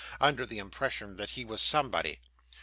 under the impression that he was somebody.